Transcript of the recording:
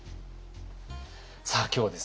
さあ今日はですね